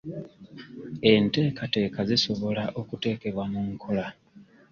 Enteekateeka zisobola okuteekebwa mu nkola.